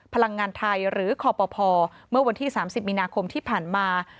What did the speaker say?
พลังงานไทยหรือคอปภเมื่อวันที่๓๐มีนาคมที่ผ่านมา